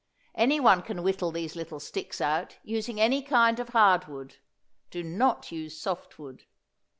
Anyone can whittle these little sticks out, using any kind of hard wood. Do not use soft wood.